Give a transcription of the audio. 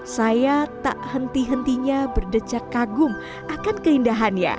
saya tak henti hentinya berdecak kagum akan keindahannya